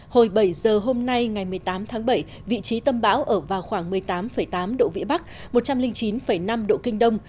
hồi bảy giờ hôm nay ngày một mươi tám tháng bảy vị trí tâm bão ở vào khoảng một mươi tám tám độ vĩ bắc một trăm linh chín năm độ kinh đông